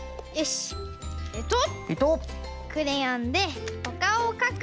クレヨンでおかおをかく。